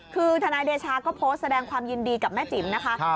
คือทนายเดชาก็โพสต์แสดงความยินดีกับแม่จิ๋มนะคะ